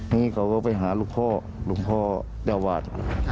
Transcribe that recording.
นี่เขาก็ไปหาลูกพ่อลูกพ่อเจ้าอาวาส